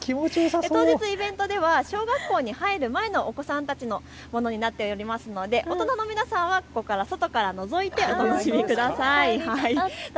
当日イベントでは小学校に入る前のお子さんたちのものになっているので大人の皆さんは外からのぞいてお楽しみください。